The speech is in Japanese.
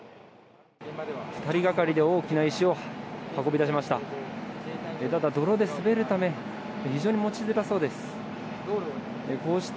２人がかりで大きな石を運び出しました。